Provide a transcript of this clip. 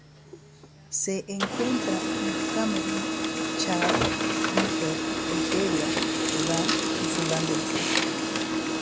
Se encuentra en Camerún, Chad, Níger, Nigeria, Sudán y Sudán del Sur.